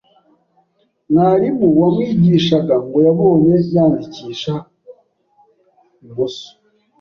mwarimu wamwigishaga ngo yabonye yandikisha imoso